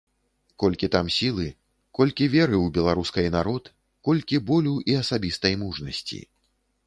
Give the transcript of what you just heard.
Колькі там сілы, колькі веры ў беларускай народ, колькі болю і асабістай мужнасці.